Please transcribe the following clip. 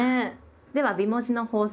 では美文字の法則